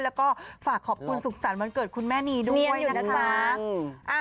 แล้วก็ฝากขอบคุณสุขสรรค์วันเกิดคุณแม่นีด้วยนะคะ